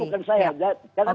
itu bayang jawab ya bukan saya